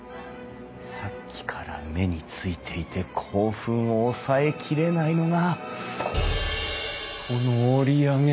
さっきから目に付いていて興奮を抑えきれないのがこの折り上げ